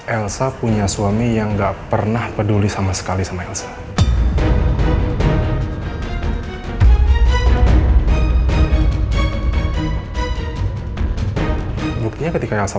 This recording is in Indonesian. elsa punya suami yang gak pernah peduli sama sekali sama elsa